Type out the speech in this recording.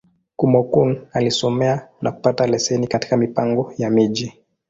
Kúmókụn alisomea, na kupata leseni katika Mipango ya Miji.